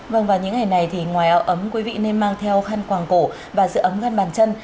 vâng và những ngày này thì ngoài ảo ấm quý vị nên mang theo khăn quàng cổ và dự ấm găn bàn chân